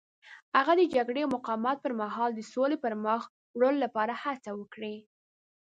هغه د جګړې او مقاومت پر مهال د سولې پرمخ وړلو لپاره هڅې وکړې.